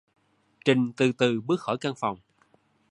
Trình từ từ bước khỏi căn phòng